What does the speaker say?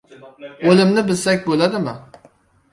— O‘limni bilsak bo‘ladimi?